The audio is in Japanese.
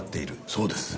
そうです。